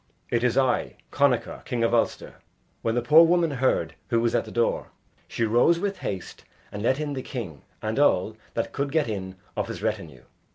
"It is I, Connachar, king of Ulster." When the poor woman heard who was at the door, she rose with haste and let in the king and all that could get in of his retinue.